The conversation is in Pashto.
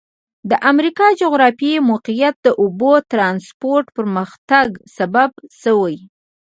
د امریکا جغرافیایي موقعیت د اوبو ترانسپورت پرمختګ سبب شوی.